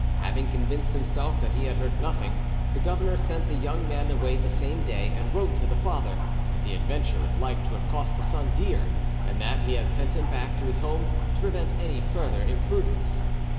Having convinced himself that he had heard nothing, the governor sent the young man away the same day, and wrote to the father that the adventure was like to have cost the son dear, and that he had sent him back to his home to prevent any further imprudence.